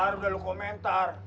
bar udah lo komentar